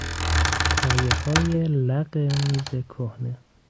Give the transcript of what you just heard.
پایههای لق میز کهنه